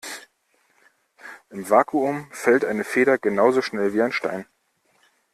Im Vakuum fällt eine Feder genauso schnell wie ein Stein.